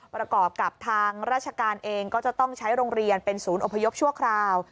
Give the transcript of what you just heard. ประกอบกับทางราชการเองก็จะต้องใช้โรงเรียนเป็นศูนย์อพยพชั่วคราว